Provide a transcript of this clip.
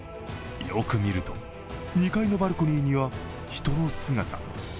よく見ると、２階のバルコニーには人の姿。